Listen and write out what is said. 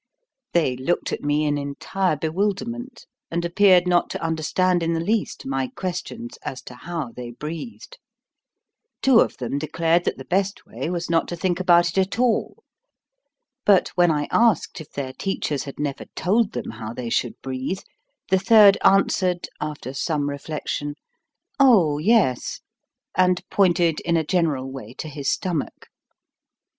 They looked at me in entire be wilderment, and appeared not to understand in the least my questions as to how they breathed. Two of them declared that the best way was not to think about it at all. But when I asked if their teachers had never told them how they should breathe, the third answered, after some reflection, "Oh, yes !" and pointed in a general way to his stomach.